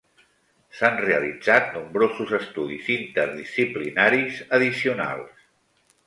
S'han realitzat nombrosos estudis interdisciplinaris addicionals.